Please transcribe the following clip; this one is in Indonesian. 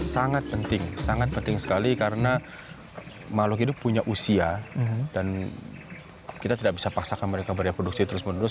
sangat penting sangat penting sekali karena makhluk itu punya usia dan kita tidak bisa paksakan mereka bereproduksi terus menerus